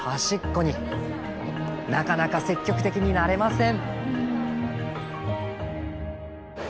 なかなか積極的になれません。